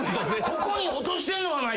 ここに落としてんのかな